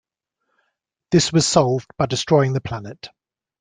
This was solved by destroying the planet.